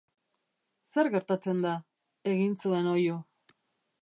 Zer gertatzen da?, egin zuen oihu.